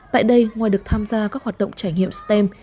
tại đây ngoài được tham gia các hoạt động trải nghiệm stem